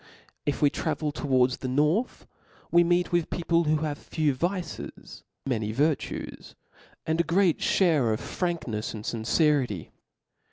If we travel towards the nwth, we meet with people who have few vices, many virtues, and a great (hare of franknefs and fincerity.